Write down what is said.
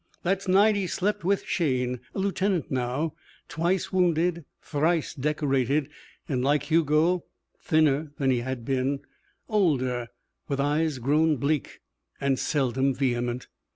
That night he slept with Shayne, a lieutenant now, twice wounded, thrice decorated, and, like Hugo, thinner than he had been, older, with eyes grown bleak, and seldom vehement.